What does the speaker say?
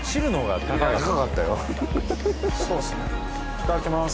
いただきます